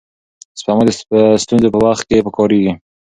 سپما د ستونزو په وخت کې پکارېږي.